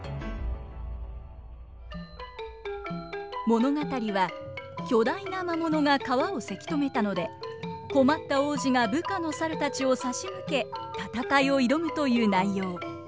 物語は巨大な魔物が川をせき止めたので困った王子が部下の猿たちを差し向け戦いを挑むという内容。